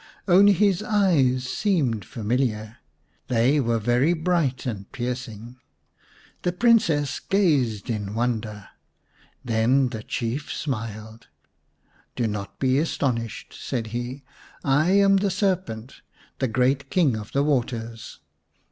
Only his eyes seemed familiar ; they were very bright and piercing. The Princess gazed in wonder. Then the Chief smiled. " Do not be astonished," said he. "I am the 97 H The Serpent's Bride vm serpent, the great King of the Waters.